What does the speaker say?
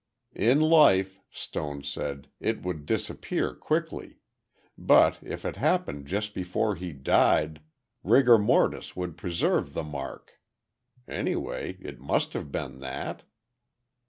"In life," Stone said, "it would disappear quickly. But if it happened just before he died, rigor mortis would preserve the mark. Any way it must have been that."